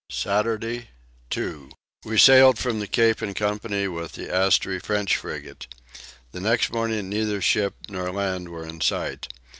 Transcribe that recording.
Saturday 2. We sailed from the Cape in company with the Astree French frigate. The next morning neither ship nor land were in sight.